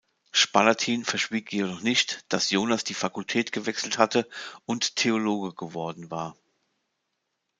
Spalatin verschwieg jedoch nicht, dass Jonas die Fakultät gewechselt hatte und Theologe geworden war.